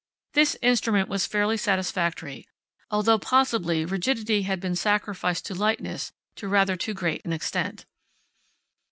This instrument was fairly satisfactory, although possibly rigidity had been sacrificed to lightness to rather too great an extent.